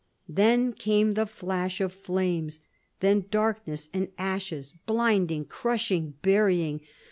Then came the flash of flames; then darkness and ashes, blinding, crushing, burying.